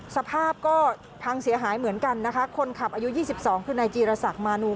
สภาพก็พังเสียหายเหมือนกันนะคะคนขับอายุ๒๒คือนายจีรศักดิ์มานู